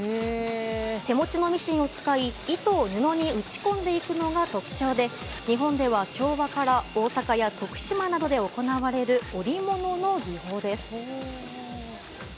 手持ちのミシンを使い、糸を布に打ち込んでいくのが特徴で日本では昭和から大阪や徳島などで行われる織物の技法です。